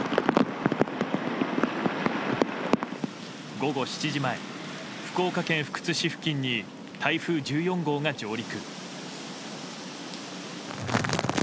午後７時前、福岡県福津市付近に台風１４号が上陸。